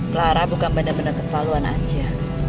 clara bukan benar benar ketaluan aja